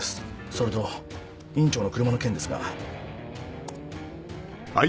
それと院長の車の件ですが。